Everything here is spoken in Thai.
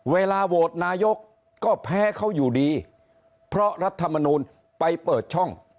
เวลาโหวตนายกก็แพ้เขาอยู่ดีเพราะรัฐมนูลไปเปิดช่อง